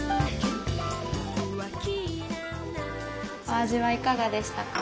お味はいかがでしたか？